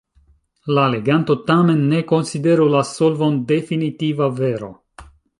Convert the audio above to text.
La leganto tamen ne konsideru la solvon definitiva vero.